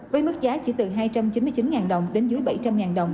với mức giá chỉ từ hai trăm chín mươi chín đồng đến dưới bảy trăm linh đồng